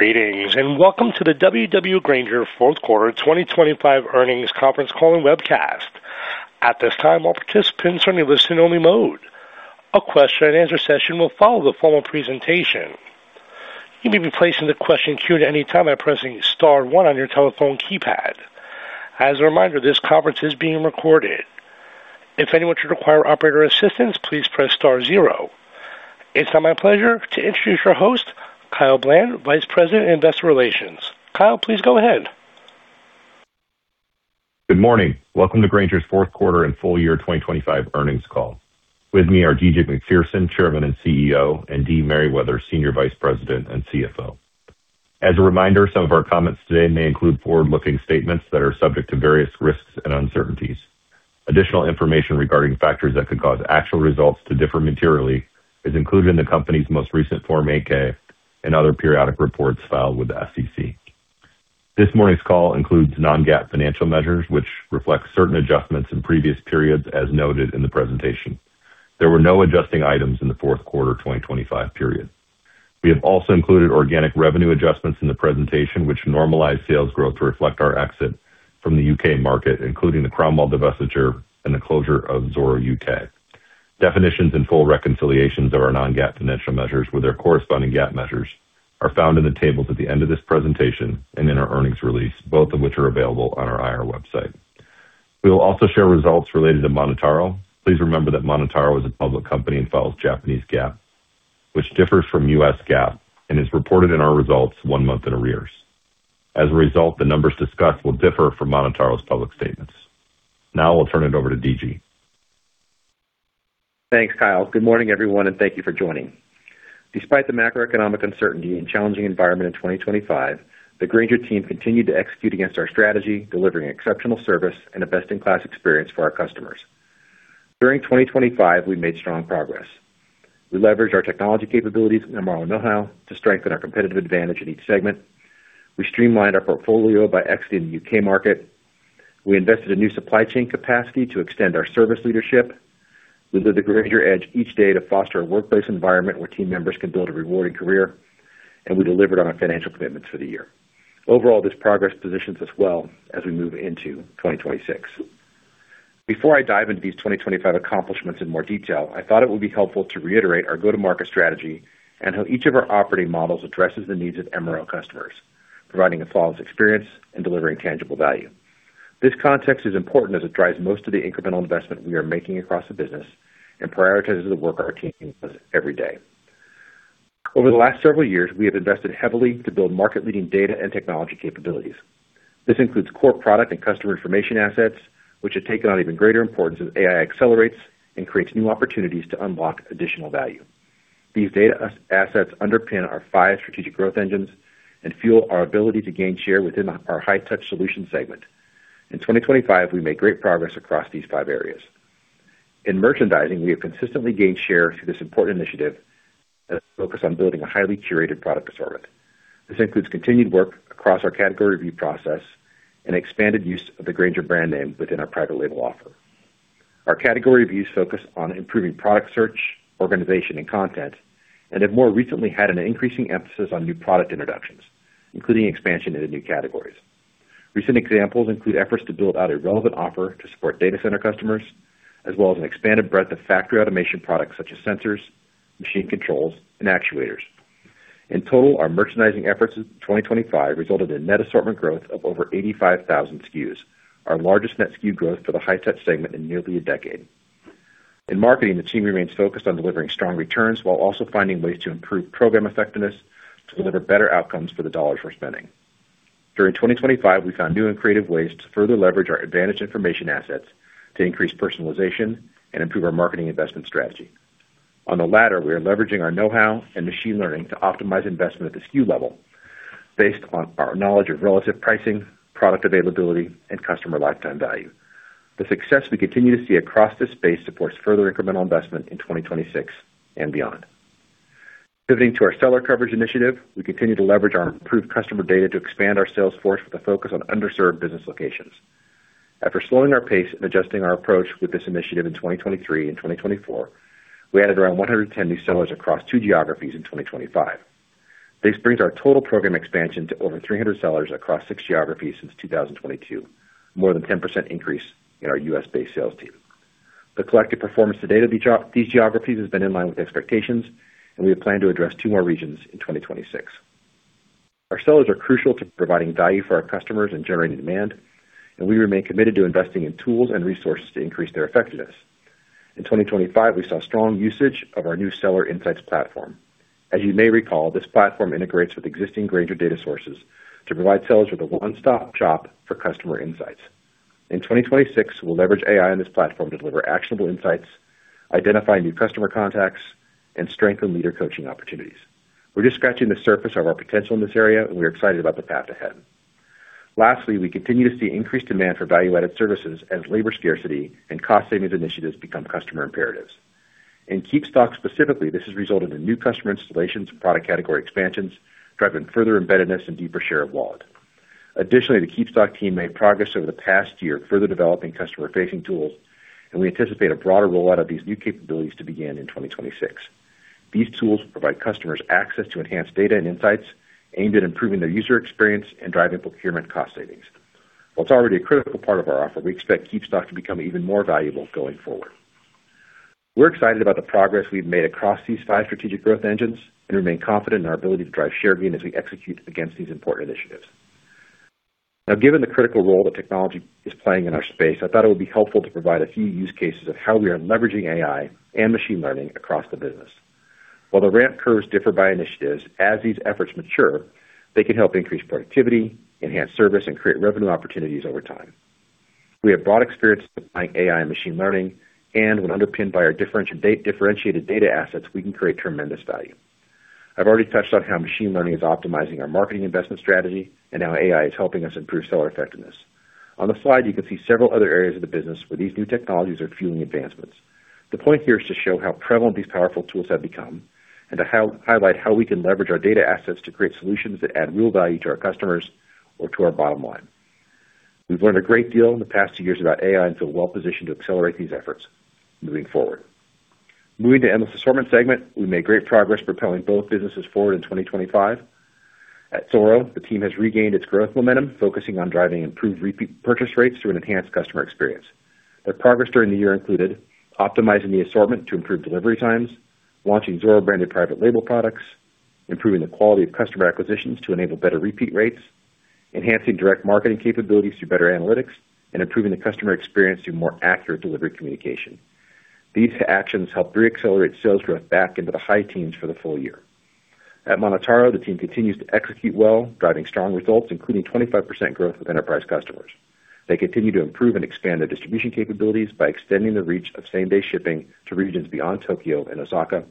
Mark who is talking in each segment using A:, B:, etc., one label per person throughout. A: ...Greetings, and welcome to the W.W. Grainger Fourth Quarter 2025 Earnings Conference Call and Webcast. At this time, all participants are in listen-only mode. A question-and-answer session will follow the formal presentation. You may be placing the question queue at any time by pressing star one on your telephone keypad. As a reminder, this conference is being recorded. If anyone should require operator assistance, please press star zero. It's now my pleasure to introduce our host, Kyle Bland, Vice President, Investor Relations. Kyle, please go ahead.
B: Good morning. Welcome to Grainger's fourth quarter and full year 2025 earnings call. With me are D.G. Macpherson, Chairman and CEO, and Dee Merriwether, Senior Vice President and CFO. As a reminder, some up our comments today may include forward-looking statements that are subject to various risks and uncertainties. Additional information regarding factors that could cause actual results to differ materially is included in the company's most recent Form 8-K and other periodic reports filed with the SEC. This morning's call includes non-GAAP financial measures, which reflect certain adjustments in previous periods, as noted in the presentation. There were no adjusting items in the fourth quarter 2025 period. We have also included organic revenue adjustments in the presentation, which normalize sales growth to reflect our exit from the UK market, including the Cromwell divestiture and the closure of Zoro UK. Definitions and full reconciliations of our non-GAAP financial measures with their corresponding GAAP measures are found in the tables at the end of this presentation and in our earnings release, both of which are available on our IR website. We will also share results related to MonotaRO. Please remember that MonotaRO is a public company and files Japanese GAAP, which differs from U.S. GAAP and is reported in our results one month in arrears. As a result, the numbers discussed will differ from MonotaRO's public statements. Now I'll turn it over to D.G.
C: Thanks, Kyle. Good morning, everyone, and thank you for joining. Despite the macroeconomic uncertainty and challenging environment in 2025, the Grainger team continued to execute against our strategy, delivering exceptional service and a best-in-class experience for our customers. During 2025, we made strong progress. We leveraged our technology capabilities and MRO know-how to strengthen our competitive advantage in each segment. We streamlined our portfolio by exiting the UK market. We invested in new supply chain capacity to extend our service leadership. We lived the Grainger Edge each day to foster a workplace environment where team members can build a rewarding career, and we delivered on our financial commitments for the year. Overall, this progress positions us well as we move into 2026. Before I dive into these 2025 accomplishments in more detail, I thought it would be helpful to reiterate our go-to-market strategy and how each of our operating models addresses the needs of MRO customers, providing a flawless experience and delivering tangible value. This context is important as it drives most of the incremental investment we are making across the business and prioritizes the work our team does every day. Over the last several years, we have invested heavily to build market-leading data and technology capabilities. This includes core product and customer information assets, which have taken on even greater importance as AI accelerates and creates new opportunities to unlock additional value. These data assets underpin our five strategic growth engines and fuel our ability to gain share within our High-Touch Solutions segment. In 2025, we made great progress across these five areas. In merchandising, we have consistently gained share through this important initiative that's focused on building a highly curated product assortment. This includes continued work across our category review process and expanded use of the Grainger brand name within our private label offer. Our category reviews focus on improving product search, organization, and content, and have more recently had an increasing emphasis on new product introductions, including expansion into new categories. Recent examples include efforts to build out a relevant offer to support data center customers, as well as an expanded breadth of factory automation products such as sensors, machine controls, and actuators. In total, our merchandising efforts in 2025 resulted in net assortment growth of over 85,000 SKUs, our largest net SKU growth for the High-Touch segment in nearly a decade. In marketing, the team remains focused on delivering strong returns while also finding ways to improve program effectiveness to deliver better outcomes for the dollars we're spending. During 2025, we found new and creative ways to further leverage our advantage information assets to increase personalization and improve our marketing investment strategy. On the latter, we are leveraging our know-how and machine learning to optimize investment at the SKU level based on our knowledge of relative pricing, product availability, and customer lifetime value. The success we continue to see across this space supports further incremental investment in 2026 and beyond. Pivoting to our seller coverage initiative, we continue to leverage our improved customer data to expand our sales force with a focus on underserved business locations. After slowing our pace and adjusting our approach with this initiative in 2023 and 2024, we added around 110 new sellers across two geographies in 2025. This brings our total program expansion to over 300 sellers across six geographies since 2022, more than 10% increase in our U.S.-based sales team. The collective performance to date of these geographies has been in line with expectations, and we have planned to address two more regions in 2026. Our sellers are crucial to providing value for our customers and generating demand, and we remain committed to investing in tools and resources to increase their effectiveness. In 2025, we saw strong usage of our new Seller Insights platform. As you may recall, this platform integrates with existing Grainger data sources to provide sellers with a one-stop shop for customer insights. In 2026, we'll leverage AI on this platform to deliver actionable insights, identify new customer contacts, and strengthen leader coaching opportunities. We're just scratching the surface of our potential in this area, and we are excited about the path ahead. Lastly, we continue to see increased demand for value-added services as labor scarcity and cost savings initiatives become customer imperatives. In KeepStock specifically, this has resulted in new customer installations and product category expansions, driving further embeddedness and deeper share of wallet.... Additionally, the KeepStock team made progress over the past year, further developing customer-facing tools, and we anticipate a broader rollout of these new capabilities to begin in 2026. These tools provide customers access to enhanced data and insights aimed at improving their user experience and driving procurement cost savings. While it's already a critical part of our offer, we expect KeepStock to become even more valuable going forward. We're excited about the progress we've made across these five strategic growth engines and remain confident in our ability to drive share gain as we execute against these important initiatives. Now, given the critical role that technology is playing in our space, I thought it would be helpful to provide a few use cases of how we are leveraging AI and machine learning across the business. While the ramp curves differ by initiatives, as these efforts mature, they can help increase productivity, enhance service, and create revenue opportunities over time. We have broad experience applying AI and machine learning, and when underpinned by our differentiated data assets, we can create tremendous value. I've already touched on how machine learning is optimizing our marketing investment strategy and how AI is helping us improve seller effectiveness. On the slide, you can see several other areas of the business where these new technologies are fueling advancements. The point here is to show how prevalent these powerful tools have become and to highlight how we can leverage our data assets to create solutions that add real value to our customers or to our bottom line. We've learned a great deal in the past two years about AI and feel well positioned to accelerate these efforts moving forward. Moving to Endless Assortment segment, we made great progress propelling both businesses forward in 2025. At Zoro, the team has regained its growth momentum, focusing on driving improved repeat purchase rates through an enhanced customer experience. Their progress during the year included optimizing the assortment to improve delivery times, launching Zoro-branded private label products, improving the quality of customer acquisitions to enable better repeat rates, enhancing direct marketing capabilities through better analytics, and improving the customer experience through more accurate delivery communication. These actions helped reaccelerate sales growth back into the high teens for the full year. At MonotaRO, the team continues to execute well, driving strong results, including 25% growth with enterprise customers. They continue to improve and expand their distribution capabilities by extending the reach of same-day shipping to regions beyond Tokyo and Osaka,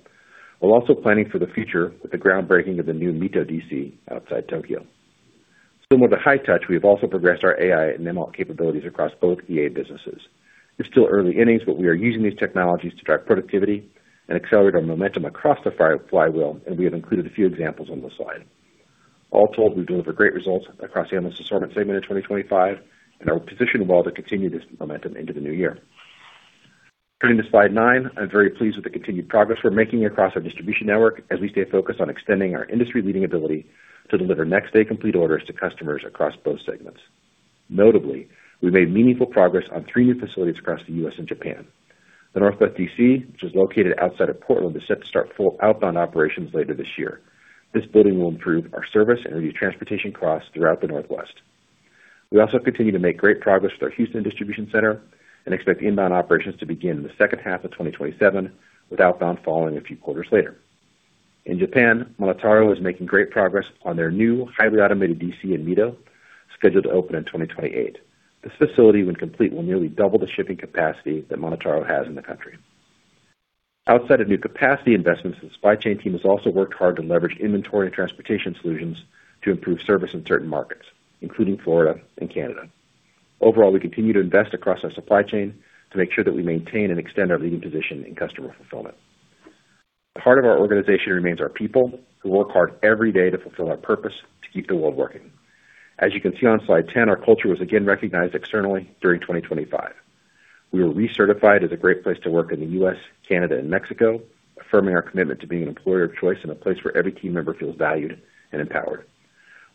C: while also planning for the future with the groundbreaking of the new Mito DC outside Tokyo. Similar to High-Touch, we have also progressed our AI and ML capabilities across both EA businesses. It's still early innings, but we are using these technologies to drive productivity and accelerate our momentum across the flywheel, and we have included a few examples on the slide. All told, we deliver great results across the Endless Assortment segment in 2025, and are positioned well to continue this momentum into the new year. Turning to slide 9, I'm very pleased with the continued progress we're making across our distribution network as we stay focused on extending our industry-leading ability to deliver next-day complete orders to customers across both segments. Notably, we made meaningful progress on three new facilities across the U.S. and Japan. The Northwest DC, which is located outside of Portland, is set to start full outbound operations later this year. This building will improve our service and reduce transportation costs throughout the Northwest. We also continue to make great progress with our Houston distribution center and expect inbound operations to begin in the second half of 2027, with outbound following a few quarters later. In Japan, MonotaRO is making great progress on their new highly automated DC in Mito, scheduled to open in 2028. This facility, when complete, will nearly double the shipping capacity that MonotaRO has in the country. Outside of new capacity investments, the supply chain team has also worked hard to leverage inventory and transportation solutions to improve service in certain markets, including Florida and Canada. Overall, we continue to invest across our supply chain to make sure that we maintain and extend our leading position in customer fulfillment. Part of our organization remains our people, who work hard every day to fulfill our purpose to keep the world working. As you can see on slide 10, our culture was again recognized externally during 2025. We were recertified as a Great Place to Work in the U.S., Canada, and Mexico, affirming our commitment to being an employer of choice and a place where every team member feels valued and empowered.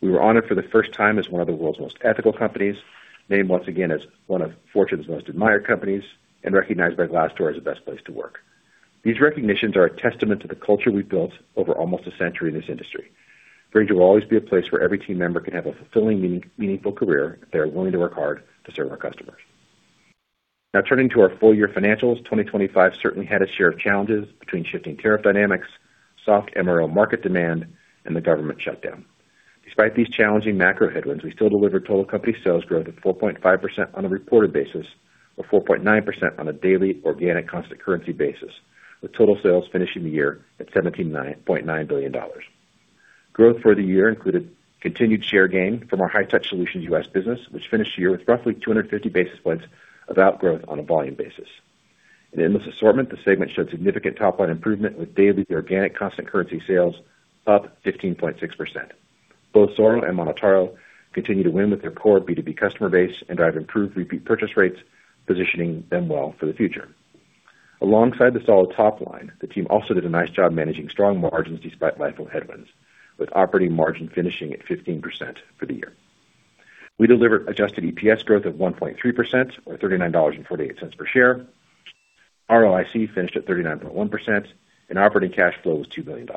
C: We were honored for the first time as one of the World's Most Ethical Companies, named once again as one of Fortune's Most Admired Companies, and recognized by Glassdoor as the Best Place to Work. These recognitions are a testament to the culture we've built over almost a century in this industry. Grainger will always be a place where every team member can have a fulfilling, meaningful career if they are willing to work hard to serve our customers. Now, turning to our full-year financials, 2025 certainly had its share of challenges between shifting tariff dynamics, soft MRO market demand, and the government shutdown. Despite these challenging macro headwinds, we still delivered total company sales growth of 4.5% on a reported basis, or 4.9% on a daily organic constant currency basis, with total sales finishing the year at $17.9 billion. Growth for the year included continued share gain from our High-Touch Solutions U.S. business, which finished the year with roughly 250 basis points of outgrowth on a volume basis. In Endless Assortment, the segment showed significant top-line improvement, with daily organic constant currency sales up 15.6%. Both Zoro and MonotaRO continue to win with their core B2B customer base and drive improved repeat purchase rates, positioning them well for the future. Alongside the solid top line, the team also did a nice job managing strong margins despite labor headwinds, with operating margin finishing at 15% for the year. We delivered adjusted EPS growth of 1.3%, or $39.48 per share. ROIC finished at 39.1%, and operating cash flow was $2 billion,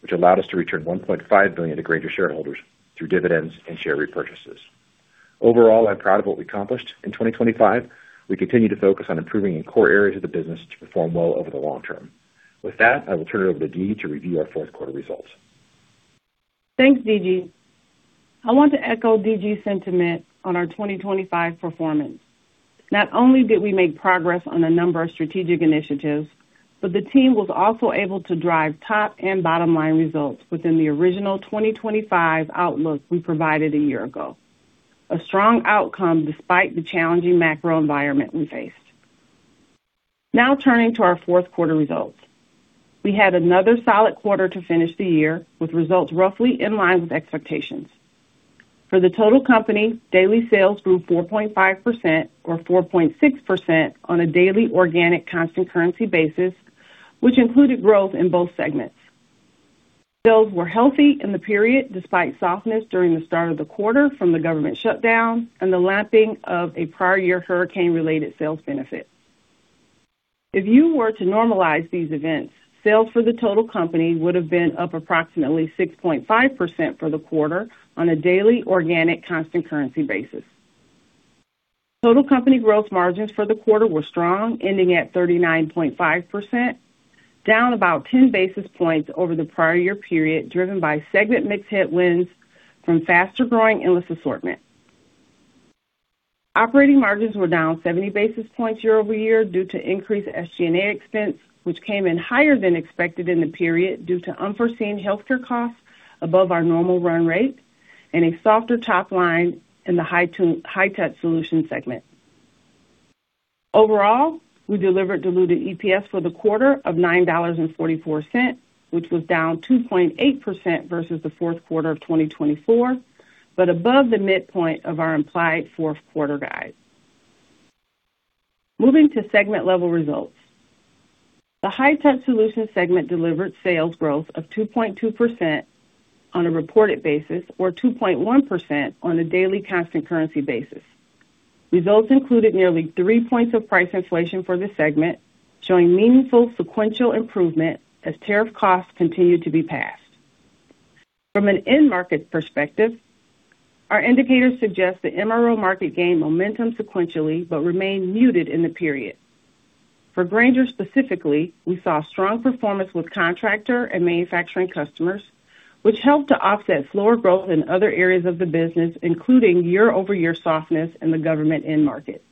C: which allowed us to return $1.5 billion to Grainger shareholders through dividends and share repurchases. Overall, I'm proud of what we accomplished in 2025. We continue to focus on improving in core areas of the business to perform well over the long term. With that, I will turn it over to Dee to review our fourth quarter results.
D: Thanks, D.G. I want to echo D.G.'s sentiment on our 2025 performance. Not only did we make progress on a number of strategic initiatives, but the team was also able to drive top and bottom line results within the original 2025 outlook we provided a year ago. A strong outcome despite the challenging macro environment we faced.... Now turning to our fourth quarter results. We had another solid quarter to finish the year, with results roughly in line with expectations. For the total company, daily sales grew 4.5% or 4.6% on a daily organic constant currency basis, which included growth in both segments. Sales were healthy in the period, despite softness during the start of the quarter from the government shutdown and the lapping of a prior year hurricane-related sales benefit. If you were to normalize these events, sales for the total company would have been up approximately 6.5% for the quarter on a daily organic constant currency basis. Total company gross margins for the quarter were strong, ending at 39.5%, down about 10 basis points over the prior year period, driven by segment mix headwinds from faster growing Endless Assortment. Operating margins were down 70 basis points year-over-year due to increased SG&A expense, which came in higher than expected in the period due to unforeseen healthcare costs above our normal run rate and a softer top line in the High-Touch Solutions segment. Overall, we delivered diluted EPS of $9.44 for the quarter, which was down 2.8% versus the fourth quarter of 2024, but above the midpoint of our implied fourth quarter guide. Moving to segment level results. The High-Touch Solutions segment delivered sales growth of 2.2% on a reported basis, or 2.1% on a daily constant currency basis. Results included nearly three points of price inflation for the segment, showing meaningful sequential improvement as tariff costs continued to be passed. From an end market perspective, our indicators suggest the MRO market gained momentum sequentially, but remained muted in the period. For Grainger specifically, we saw strong performance with contractor and manufacturing customers, which helped to offset slower growth in other areas of the business, including year-over-year softness in the government end market.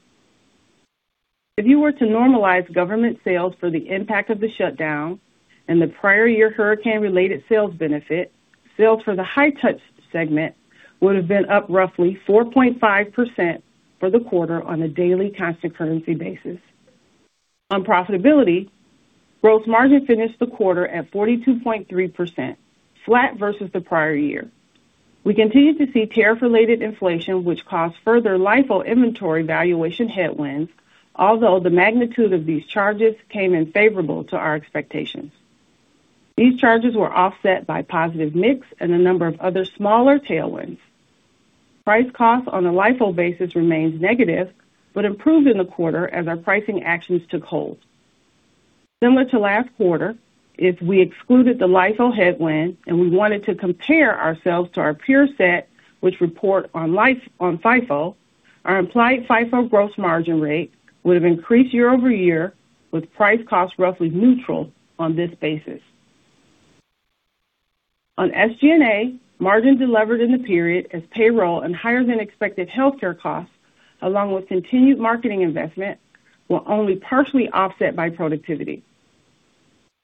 D: If you were to normalize government sales for the impact of the shutdown and the prior year hurricane-related sales benefit, sales for the High-Touch segment would have been up roughly 4.5% for the quarter on a daily constant currency basis. On profitability, gross margin finished the quarter at 42.3%, flat versus the prior year. We continued to see tariff-related inflation, which caused further LIFO inventory valuation headwinds, although the magnitude of these charges came in favorable to our expectations. These charges were offset by positive mix and a number of other smaller tailwinds. Price costs on a LIFO basis remains negative, but improved in the quarter as our pricing actions took hold. Similar to last quarter, if we excluded the LIFO headwind and we wanted to compare ourselves to our peer set, which report on FIFO, our implied FIFO gross margin rate would have increased year-over-year, with price costs roughly neutral on this basis. On SG&A, margins delivered in the period as payroll and higher than expected healthcare costs, along with continued marketing investment, were only partially offset by productivity.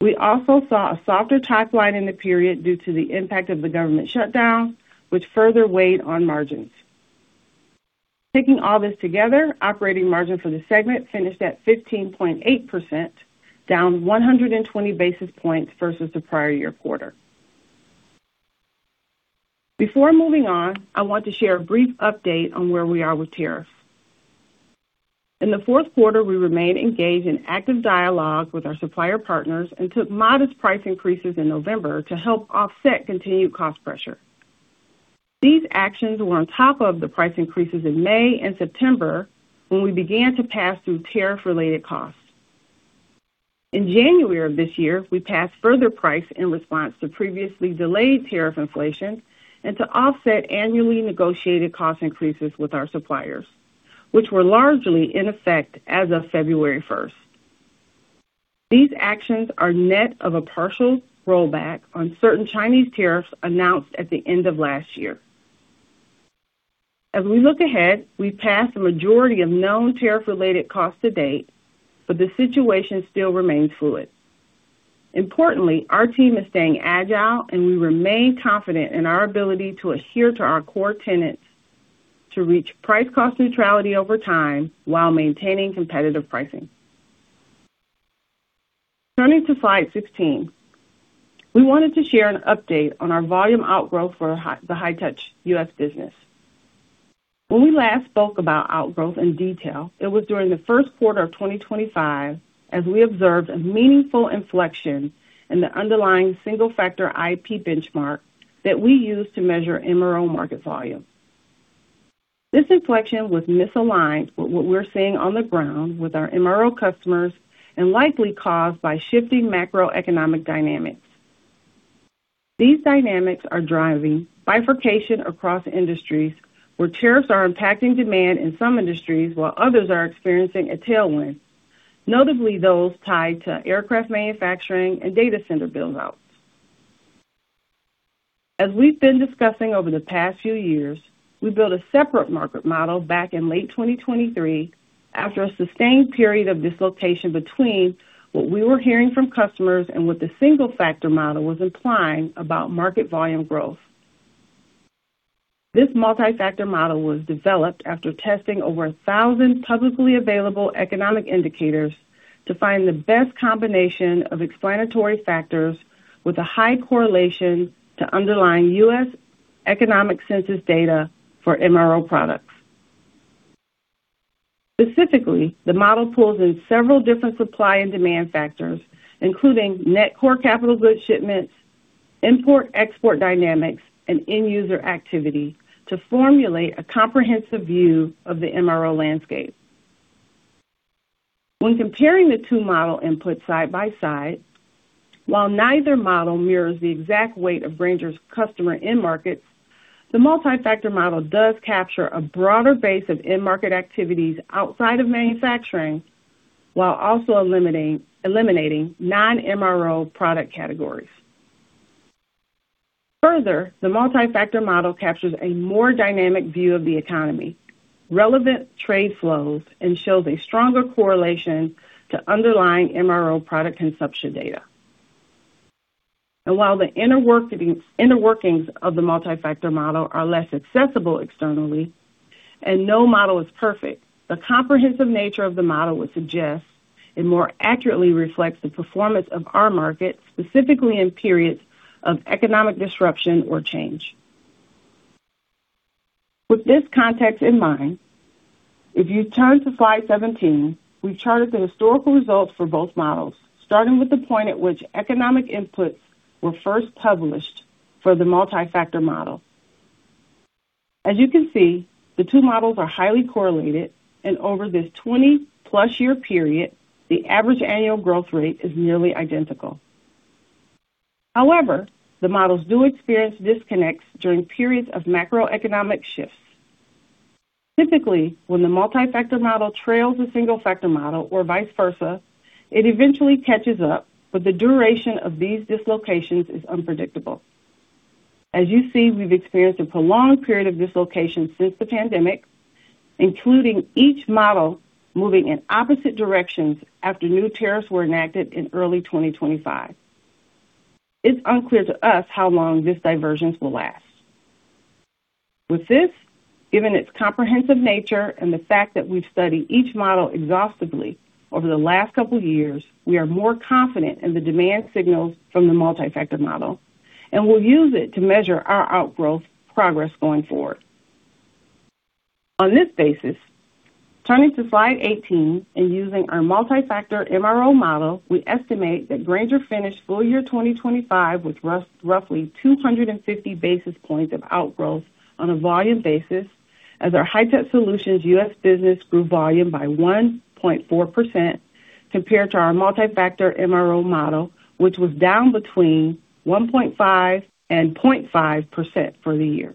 D: We also saw a softer top line in the period due to the impact of the government shutdown, which further weighed on margins. Taking all this together, operating margin for the segment finished at 15.8%, down 120 basis points versus the prior year quarter. Before moving on, I want to share a brief update on where we are with tariffs. In the fourth quarter, we remained engaged in active dialogue with our supplier partners and took modest price increases in November to help offset continued cost pressure. These actions were on top of the price increases in May and September, when we began to pass through tariff-related costs. In January of this year, we passed further prices in response to previously delayed tariff inflation and to offset annually negotiated cost increases with our suppliers, which were largely in effect as of February 1st. These actions are net of a partial rollback on certain Chinese tariffs announced at the end of last year. As we look ahead, we've passed the majority of known tariff-related costs to date, but the situation still remains fluid. Importantly, our team is staying agile, and we remain confident in our ability to adhere to our core tenets to reach price cost neutrality over time while maintaining competitive pricing. Turning to slide 16, we wanted to share an update on our volume outgrowth for the High-Touch U.S. business. When we last spoke about outgrowth in detail, it was during the first quarter of 2025, as we observed a meaningful inflection in the underlying single factor IP benchmark that we use to measure MRO market volume. This inflection was misaligned with what we're seeing on the ground with our MRO customers and likely caused by shifting macroeconomic dynamics. These dynamics are driving bifurcation across industries where tariffs are impacting demand in some industries, while others are experiencing a tailwind, notably those tied to aircraft manufacturing and data center build outs. As we've been discussing over the past few years, we built a separate market model back in late 2023 after a sustained period of dislocation between what we were hearing from customers and what the single factor model was implying about market volume growth. This multifactor model was developed after testing over 1,000 publicly available economic indicators to find the best combination of explanatory factors with a high correlation to underlying U.S. economic census data for MRO products. Specifically, the model pulls in several different supply and demand factors, including net core capital goods shipments, import-export dynamics, and end user activity, to formulate a comprehensive view of the MRO landscape. When comparing the two model inputs side by side, while neither model mirrors the exact weight of Grainger's customer end markets, the multifactor model does capture a broader base of end market activities outside of manufacturing, while also eliminating non-MRO product categories. Further, the multifactor model captures a more dynamic view of the economy, relevant trade flows, and shows a stronger correlation to underlying MRO product consumption data. And while the inner workings of the multifactor model are less accessible externally and no model is perfect, the comprehensive nature of the model would suggest it more accurately reflects the performance of our market, specifically in periods of economic disruption or change. With this context in mind, if you turn to slide 17, we charted the historical results for both models, starting with the point at which economic inputs were first published for the multifactor model. As you can see, the two models are highly correlated, and over this 20+ year period, the average annual growth rate is nearly identical. However, the models do experience disconnects during periods of macroeconomic shifts. Typically, when the multifactor model trails a single factor model or vice versa, it eventually catches up, but the duration of these dislocations is unpredictable. As you see, we've experienced a prolonged period of dislocation since the pandemic, including each model moving in opposite directions after new tariffs were enacted in early 2025. It's unclear to us how long this divergence will last. With this, given its comprehensive nature and the fact that we've studied each model exhaustively over the last couple of years, we are more confident in the demand signals from the multifactor model, and we'll use it to measure our outgrowth progress going forward. On this basis, turning to slide 18 and using our multifactor MRO model, we estimate that Grainger finished full year 2025 with roughly 250 basis points of outgrowth on a volume basis, as our High-Touch Solutions U.S. business grew volume by 1.4% compared to our multifactor MRO model, which was down between 1.5% and 0.5% for the year.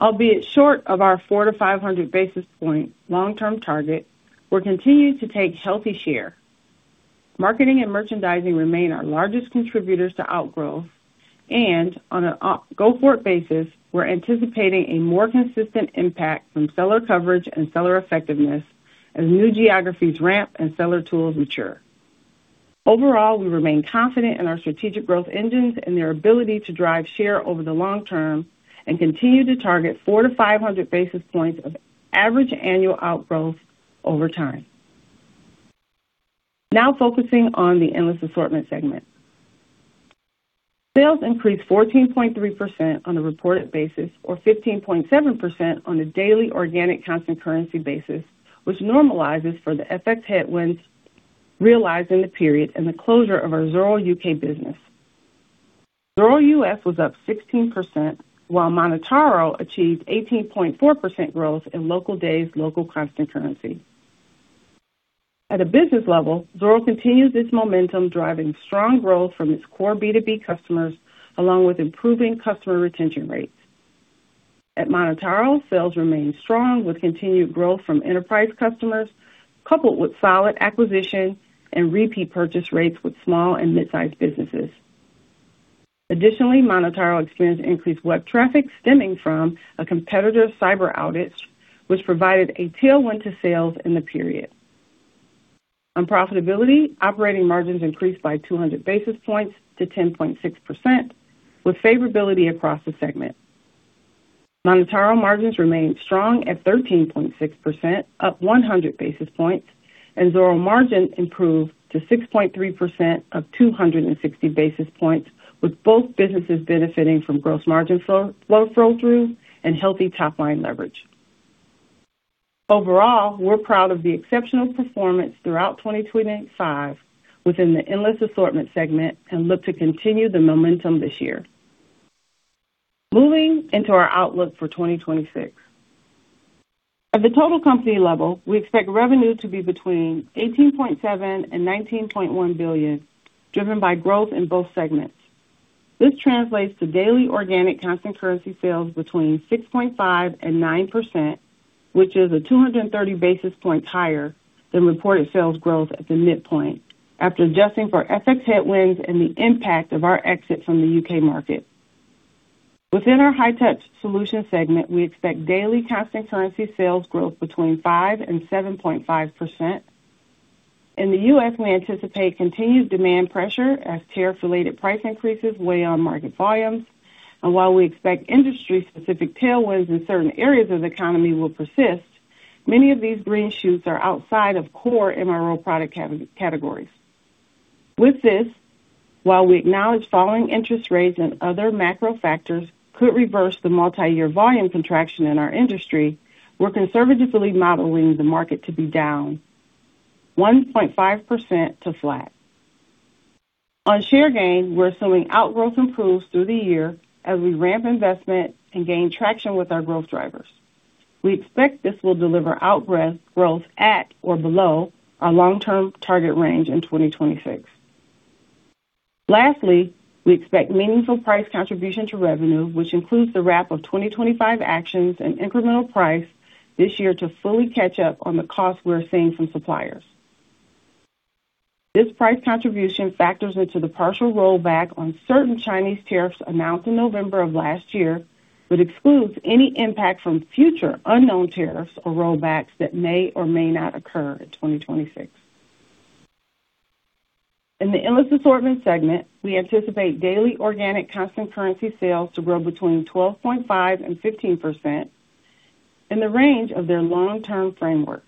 D: Albeit short of our 400-500 basis point long-term target, we're continuing to take healthy share. Marketing and merchandising remain our largest contributors to outgrowth, and on a go-forward basis, we're anticipating a more consistent impact from seller coverage and seller effectiveness as new geographies ramp and seller tools mature. Overall, we remain confident in our strategic growth engines and their ability to drive share over the long term and continue to target 400-500 basis points of average annual outgrowth over time. Now, focusing on the Endless Assortment segment. Sales increased 14.3% on a reported basis, or 15.7% on a daily organic constant currency basis, which normalizes for the FX headwinds realized in the period and the closure of our Zoro UK business. Zoro U.S. was up 16%, while MonotaRO achieved 18.4% growth in local days, local constant currency. At a business level, Zoro continues its momentum, driving strong growth from its core B2B customers, along with improving customer retention rates. At MonotaRO, sales remained strong, with continued growth from enterprise customers, coupled with solid acquisition and repeat purchase rates with small and mid-sized businesses. Additionally, MonotaRO experienced increased web traffic stemming from a competitive cyber outage, which provided a tailwind to sales in the period. On profitability, operating margins increased by 200 basis points to 10.6%, with favorability across the segment. MonotaRO margins remained strong at 13.6%, up 100 basis points, and Zoro margins improved to 6.3% of 260 basis points, with both businesses benefiting from gross margin flow, flow-through and healthy top-line leverage. Overall, we're proud of the exceptional performance throughout 2025 within the Endless Assortment segment and look to continue the momentum this year. Moving into our outlook for 2026. At the total company level, we expect revenue to be between $18.7 billion and $19.1 billion, driven by growth in both segments. This translates to daily organic constant currency sales between 6.5% and 9%, which is 230 basis points higher than reported sales growth at the midpoint, after adjusting for FX headwinds and the impact of our exit from the UK market. Within our High-Touch Solutions segment, we expect daily constant currency sales growth between 5% and 7.5%.... In the U.S., we anticipate continued demand pressure as tariff-related price increases weigh on market volumes. While we expect industry-specific tailwinds in certain areas of the economy will persist, many of these green shoots are outside of core MRO product categories. With this, while we acknowledge falling interest rates and other macro factors could reverse the multi-year volume contraction in our industry, we're conservatively modeling the market to be down 1.5% to flat. On share gain, we're assuming outgrowth improves through the year as we ramp investment and gain traction with our growth drivers. We expect this will deliver outgrowth, growth at or below our long-term target range in 2026. Lastly, we expect meaningful price contribution to revenue, which includes the wrap of 2025 actions and incremental price this year to fully catch up on the costs we are seeing from suppliers. This price contribution factors into the partial rollback on certain Chinese tariffs announced in November of last year, but excludes any impact from future unknown tariffs or rollbacks that may or may not occur in 2026. In the Endless Assortment segment, we anticipate daily organic constant currency sales to grow between 12.5% and 15% in the range of their long-term framework.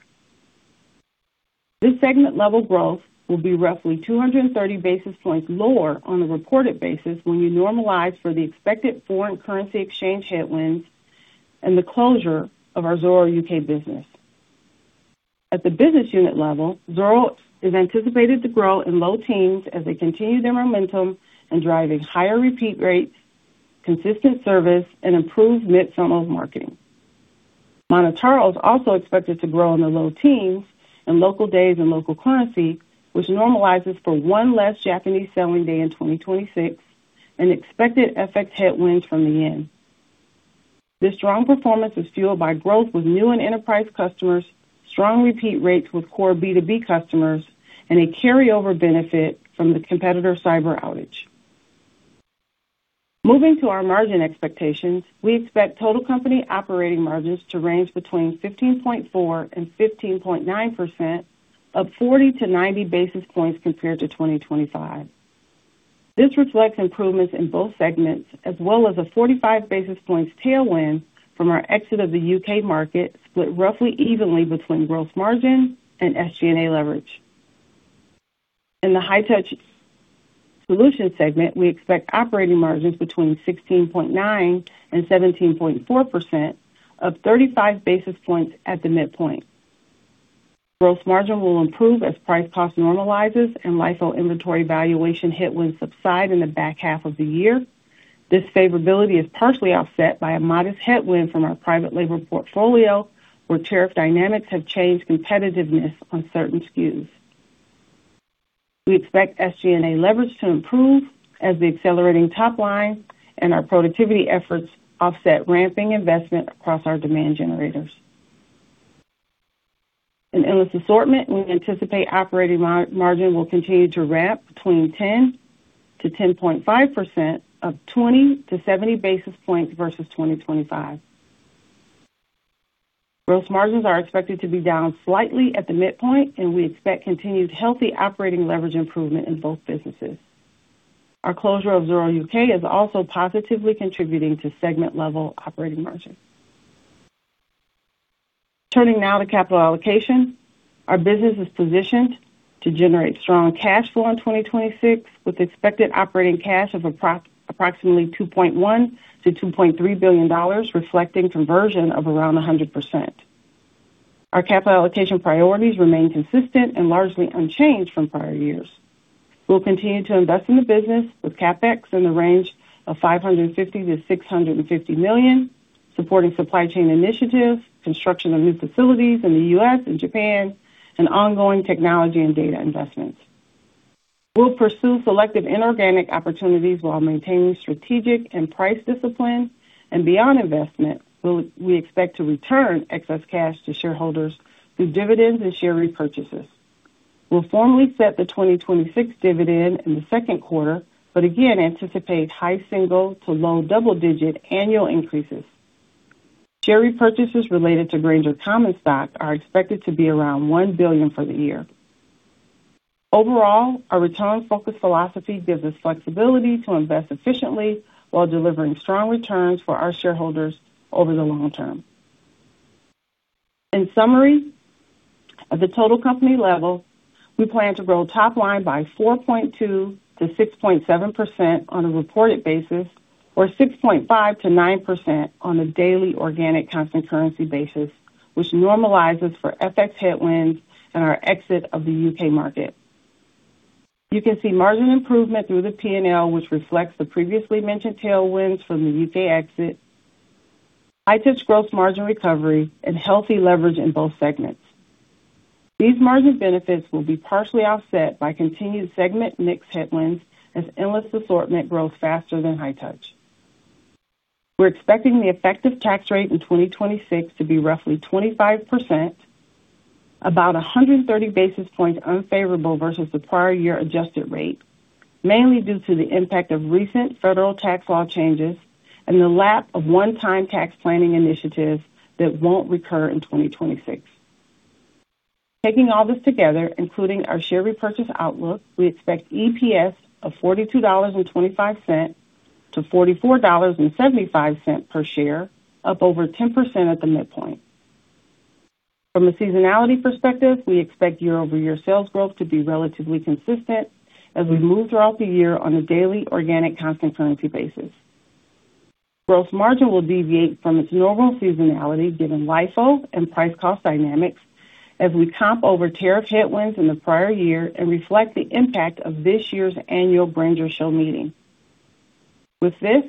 D: This segment-level growth will be roughly 230 basis points lower on a reported basis when you normalize for the expected foreign currency exchange headwinds and the closure of our Zoro UK business. At the business unit level, Zoro is anticipated to grow in low teens as they continue their momentum and driving higher repeat rates, consistent service, and improved mid-summer marketing. MonotaRO also expected to grow in the low teens in local days and local currency, which normalizes for one less Japanese selling day in 2026 and expected FX headwinds from the yen. This strong performance is fueled by growth with new and enterprise customers, strong repeat rates with core B2B customers, and a carryover benefit from the competitor cyber outage. Moving to our margin expectations, we expect total company operating margins to range between 15.4%-15.9%, up 40-90 basis points compared to 2025. This reflects improvements in both segments, as well as a 45 basis points tailwind from our exit of the UK market, split roughly evenly between gross margin and SG&A leverage. In the High-Touch Solutions segment, we expect operating margins between 16.9%-17.4% of 35 basis points at the midpoint. Gross margin will improve as price cost normalizes and LIFO inventory valuation headwinds subside in the back half of the year. This favorability is partially offset by a modest headwind from our private label portfolio, where tariff dynamics have changed competitiveness on certain SKUs. We expect SG&A leverage to improve as the accelerating top line and our productivity efforts offset ramping investment across our demand generators. In Endless Assortment, we anticipate operating margin will continue to ramp between 10%-10.5% or 20-70 basis points versus 2025. Gross margins are expected to be down slightly at the midpoint, and we expect continued healthy operating leverage improvement in both businesses. Our closure of Zoro UK is also positively contributing to segment-level operating margins. Turning now to capital allocation. Our business is positioned to generate strong cash flow in 2026, with expected operating cash of approximately $2.1 billion-$2.3 billion, reflecting conversion of around 100%. Our capital allocation priorities remain consistent and largely unchanged from prior years. We'll continue to invest in the business with CapEx in the range of $550 million-$650 million, supporting supply chain initiatives, construction of new facilities in the U.S. and Japan, and ongoing technology and data investments. We'll pursue selective inorganic opportunities while maintaining strategic and price discipline, and beyond investment, we'll, we expect to return excess cash to shareholders through dividends and share repurchases. We'll formally set the 2026 dividend in the second quarter, but again anticipate high single-digit to low double-digit annual increases. Share repurchases related to Grainger common stock are expected to be around $1 billion for the year. Overall, our return-focused philosophy gives us flexibility to invest efficiently while delivering strong returns for our shareholders over the long term. In summary, at the total company level, we plan to grow top line by 4.2%-6.7% on a reported basis, or 6.5%-9% on a daily organic constant currency basis, which normalizes for FX headwinds and our exit of the UK market. You can see margin improvement through the P&L, which reflects the previously mentioned tailwinds from the UK exit, High-Touch gross margin recovery, and healthy leverage in both segments. These margin benefits will be partially offset by continued segment mix headwinds as Endless Assortment grows faster than High-Touch. We're expecting the effective tax rate in 2026 to be roughly 25%, about 130 basis points unfavorable versus the prior year adjusted rate. mainly due to the impact of recent federal tax law changes and the lack of one-time tax planning initiatives that won't recur in 2026. Taking all this together, including our share repurchase outlook, we expect EPS of $42.25-$44.75 per share, up over 10% at the midpoint. From a seasonality perspective, we expect year-over-year sales growth to be relatively consistent as we move throughout the year on a daily organic constant currency basis. Growth margin will deviate from its normal seasonality, given LIFO and price cost dynamics as we comp over tariff headwinds in the prior year and reflect the impact of this year's annual Grainger Show meeting. With this,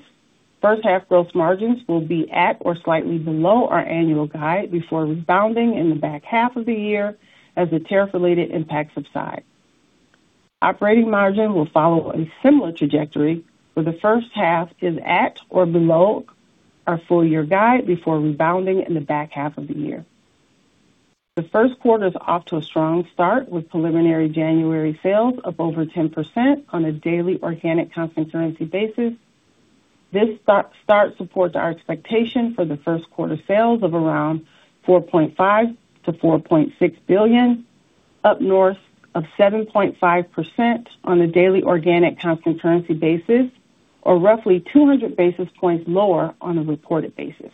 D: first half gross margins will be at or slightly below our annual guide before rebounding in the back half of the year as the tariff-related impacts subside. Operating margin will follow a similar trajectory, where the first half is at or below our full year guide before rebounding in the back half of the year. The first quarter is off to a strong start, with preliminary January sales up over 10% on a daily organic constant currency basis. This start supports our expectation for the first quarter sales of around $4.5 billion-$4.6 billion, up north of 7.5% on a daily organic constant currency basis, or roughly 200 basis points lower on a reported basis.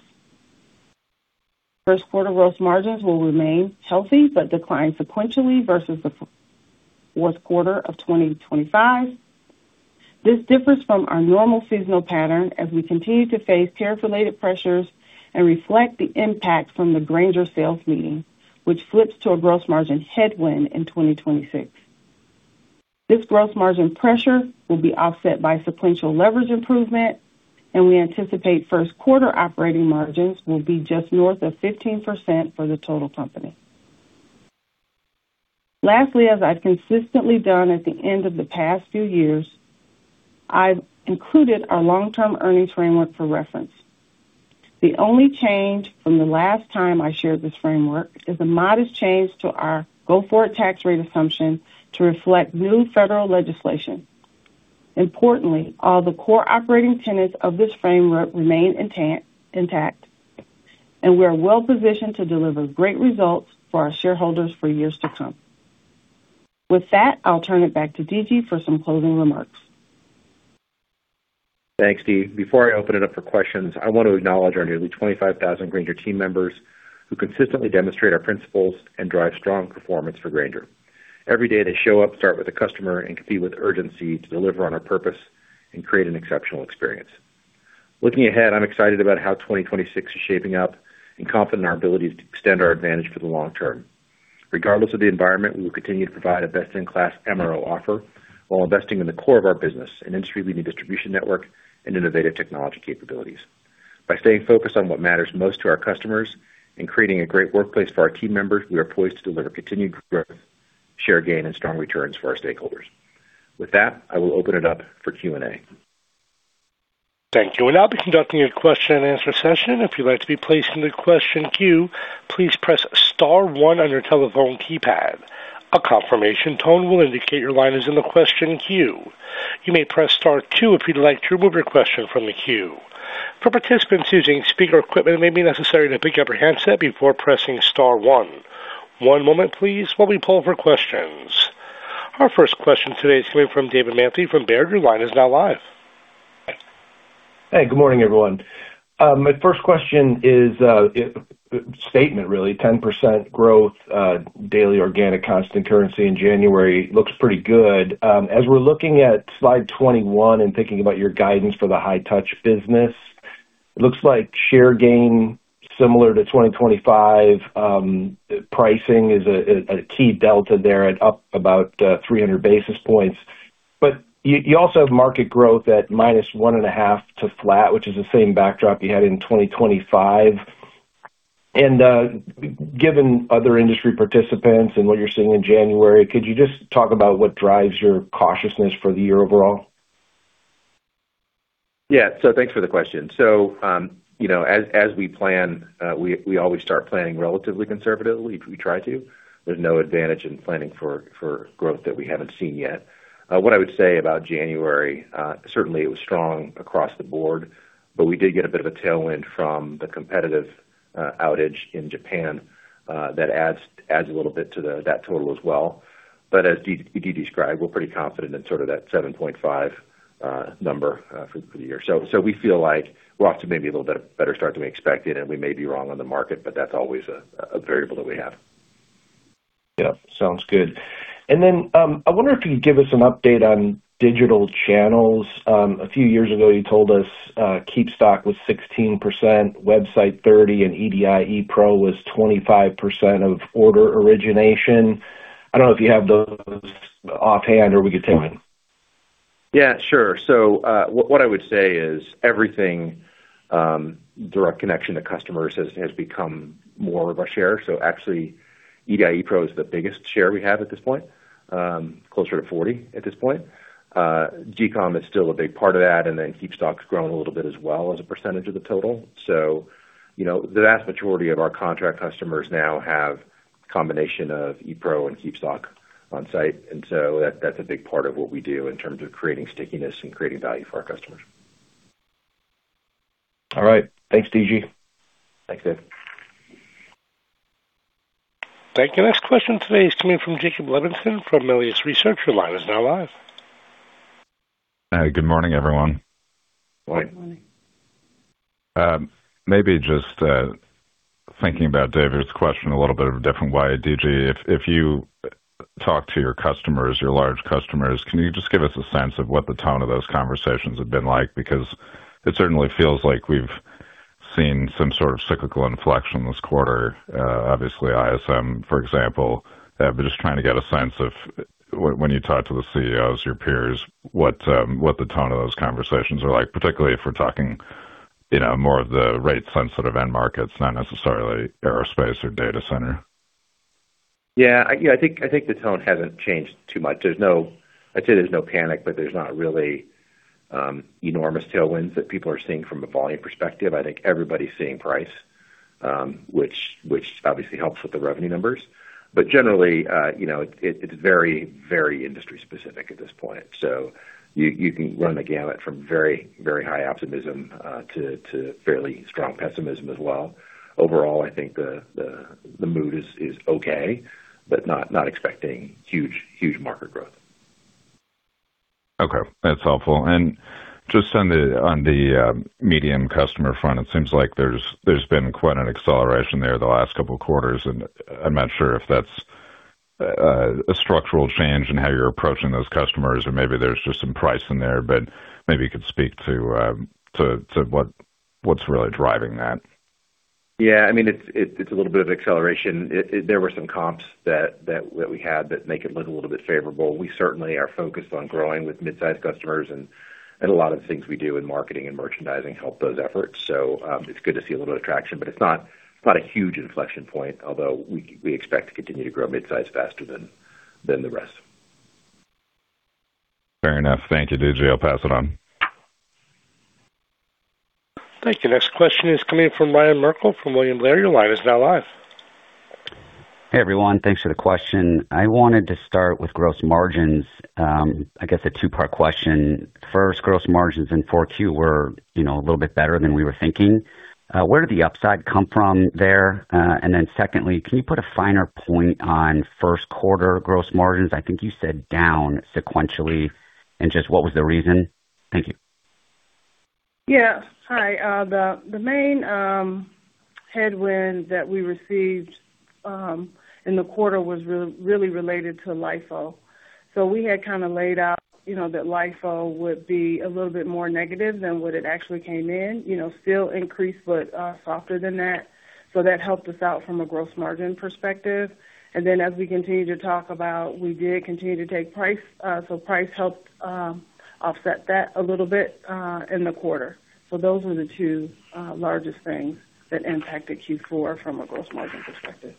D: First quarter gross margins will remain healthy, but decline sequentially versus the fourth quarter of 2025. This differs from our normal seasonal pattern as we continue to face tariff-related pressures and reflect the impact from the Grainger sales meeting, which flips to a gross margin headwind in 2026. This gross margin pressure will be offset by sequential leverage improvement, and we anticipate first quarter operating margins will be just north of 15% for the total company. Lastly, as I've consistently done at the end of the past few years, I've included our long-term earnings framework for reference. The only change from the last time I shared this framework is a modest change to our go-forward tax rate assumption to reflect new federal legislation. Importantly, all the core operating tenets of this framework remain intact, intact, and we are well positioned to deliver great results for our shareholders for years to come. With that, I'll turn it back to D.G. for some closing remarks.
C: Thanks, Dee. Before I open it up for questions, I want to acknowledge our nearly 25,000 Grainger team members who consistently demonstrate our principles and drive strong performance for Grainger. Every day, they show up, start with a customer, and compete with urgency to deliver on our purpose and create an exceptional experience. Looking ahead, I'm excited about how 2026 is shaping up and confident in our ability to extend our advantage for the long term. Regardless of the environment, we will continue to provide a best-in-class MRO offer while investing in the core of our business, an industry-leading distribution network and innovative technology capabilities. By staying focused on what matters most to our customers and creating a great workplace for our team members, we are poised to deliver continued growth, share gain and strong returns for our stakeholders. With that, I will open it up for Q&A.
A: Thank you. We'll now be conducting a question-and-answer session. If you'd like to be placed in the question queue, please press star one on your telephone keypad. A confirmation tone will indicate your line is in the question queue. You may press star two if you'd like to remove your question from the queue. For participants using speaker equipment, it may be necessary to pick up your handset before pressing star one. One moment, please, while we pull for questions. Our first question today is coming from David Manthey from Baird. Your line is now live.
E: Hey, good morning, everyone. My first question is a statement really. 10% growth daily organic constant currency in January looks pretty good. As we're looking at slide 21 and thinking about your guidance for the High-Touch business, it looks like share gain similar to 2025. Pricing is a key delta there at up about 300 basis points. But you also have market growth at minus 1.5% to flat, which is the same backdrop you had in 2025. And given other industry participants and what you're seeing in January, could you just talk about what drives your cautiousness for the year overall?
C: Yeah. So thanks for the question. So, you know, as we plan, we always start planning relatively conservatively. We try to. There's no advantage in planning for growth that we haven't seen yet. What I would say about January, certainly it was strong across the board, but we did get a bit of a tailwind from the competitive outage in Japan. That adds a little bit to that total as well. But as Dee described, we're pretty confident in sort of that 7.5 number for the year. So we feel like we're off to maybe a little bit better start than we expected, and we may be wrong on the market, but that's always a variable that we have.
E: Yeah, sounds good. And then, I wonder if you could give us an update on digital channels. A few years ago, you told us, KeepStock was 16%, website 30, and EDI ePro was 25% of order origination. I don't know if you have those offhand or we could take them.
C: Yeah, sure. So, what I would say is everything, direct connection to customers has, has become more of our share. So actually, EDI ePro is the biggest share we have at this point, closer to 40% at this point. GCOM is still a big part of that, and then KeepStock's grown a little bit as well as a percentage of the total. So, you know, the vast majority of our contract customers now have a combination of ePro and KeepStock on site. And so that's a big part of what we do in terms of creating stickiness and creating value for our customers.
E: All right. Thanks, D.G.
C: Thanks, Dave.
A: Thank you. Next question today is coming from Jacob Levinson from Melius Research. Your line is now live.
F: Hi, good morning, everyone.
C: Good morning.
F: Maybe just thinking about David's question a little bit of a different way, D.G., if you talk to your customers, your large customers, can you just give us a sense of what the tone of those conversations have been like? Because it certainly feels like we've seen some sort of cyclical inflection this quarter. Obviously, ISM, for example, but just trying to get a sense of when you talk to the CEOs, your peers, what the tone of those conversations are like, particularly if we're talking, you know, more of the rate sensitive end markets, not necessarily aerospace or data center.
C: Yeah, yeah, I think the tone hasn't changed too much. There's no—I'd say there's no panic, but there's not really enormous tailwinds that people are seeing from a volume perspective. I think everybody's seeing price, which obviously helps with the revenue numbers. But generally, you know, it's very, very industry specific at this point. So you can run the gamut from very, very high optimism to fairly strong pessimism as well. Overall, I think the mood is okay, but not expecting huge, huge market growth.
F: Okay, that's helpful. And just on the medium customer front, it seems like there's been quite an acceleration there the last couple of quarters, and I'm not sure if that's a structural change in how you're approaching those customers, or maybe there's just some price in there, but maybe you could speak to what, what's really driving that.
C: Yeah, I mean, it's a little bit of acceleration. There were some comps that we had that make it look a little bit favorable. We certainly are focused on growing with mid-sized customers, and a lot of the things we do in marketing and merchandising help those efforts. So, it's good to see a little bit of traction, but it's not a huge inflection point, although we expect to continue to grow mid-size faster than the rest.
F: Fair enough. Thank you, D.G., I'll pass it on.
A: Thank you. Next question is coming from Ryan Merkel from William Blair. Your line is now live.
G: Hey, everyone. Thanks for the question. I wanted to start with gross margins. I guess a two-part question. First, gross margins in 4Q were, you know, a little bit better than we were thinking. And then secondly, can you put a finer point on first quarter gross margins? I think you said down sequentially, and just what was the reason? Thank you.
D: Yeah. Hi. The main headwind that we received in the quarter was really related to LIFO. So we had kind of laid out, you know, that LIFO would be a little bit more negative than what it actually came in, you know, still increased, but softer than that. So that helped us out from a gross margin perspective. And then as we continue to talk about, we did continue to take price. So price helped offset that a little bit in the quarter. So those are the two largest things that impacted Q4 from a gross margin perspective.